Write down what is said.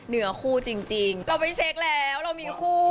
เหนือคู่จริงเราไปเช็คแล้วเรามีคู่